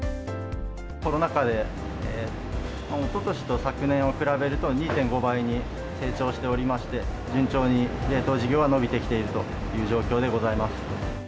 コロナ禍でおととしと昨年を比べると、２．５倍に成長しておりまして、順調に冷凍事業は伸びてきているという状況でございます。